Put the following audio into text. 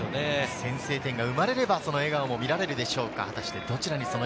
先制点が生まれれば、その笑顔も見られるでしょうか。